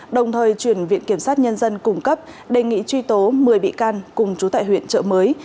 đồng thời chuyển viện kiểm sát nhân dân cung cấp đề nghị truy tố một mươi bị can cùng trú tại huyện trợ mới